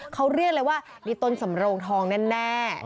เขาเรียกเลยว่ามีต้นสำโรงทองแน่